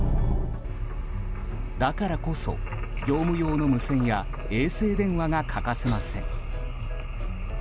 だからこそ、業務用の無線や衛星電話が欠かせません。